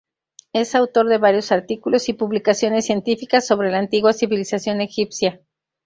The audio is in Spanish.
Es autor de varios artículos y publicaciones científicas sobre la antigua civilización egipcia.